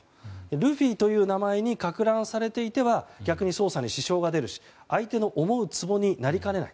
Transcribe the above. ルフィという名前に攪乱されていては逆に捜査に支障が出るし相手の思うつぼになりかねない。